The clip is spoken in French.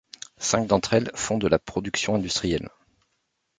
Cinq d'entre elles font de la production industrielle.